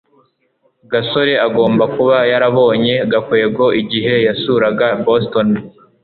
gasore agomba kuba yarabonye gakwego igihe yasuraga boston